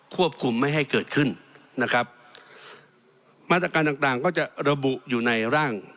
ควบคุมไม่ให้เกิดขึ้นนะครับมาตรการต่างต่างก็จะระบุอยู่ในร่าง